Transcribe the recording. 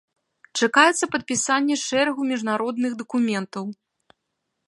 Чакаецца падпісанне шэрагу міжнародных дакументаў.